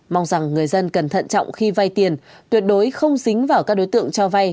mong rằng người dân cần thận trọng khi vay tiền tuyệt đối không dính vào các đối tượng cho vay